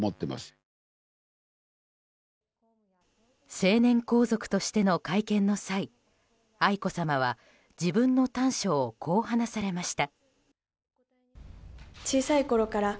成年皇族としての会見の際愛子さまは自分の短所をこう話されました。